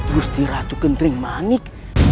gusti ratu kentering manik